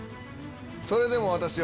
それでも私は